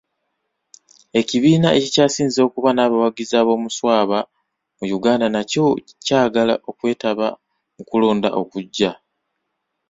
Ekibiina ekikyasinze okuba n'abawagizi aboomuswaba mu Uganda nakyo kyagala okwetaba mu kulonda okujja.